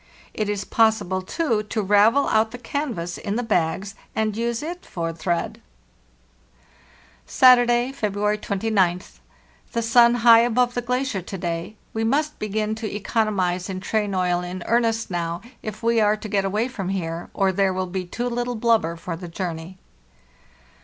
It is possible, too, to ravel out the canvas in the bags, and use it for thread. II.—30 466 FARTHEST NORTH "Saturday, February 29th. The sun high above the glacier to day. We must begin to economize in train oil in earnest now if we are to get away from here, or there will be too little blubber for the journey.